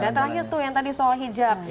dan terakhir tuh yang tadi soal hijab